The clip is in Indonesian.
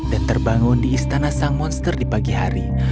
dan terbangun di istana sang monster di pagi hari